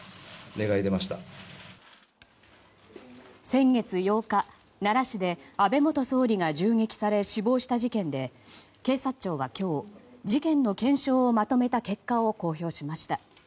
先月８日、奈良市で安倍元総理が銃撃され死亡した事件で警察庁は今日事件の検証をまとめた結果を公表しました。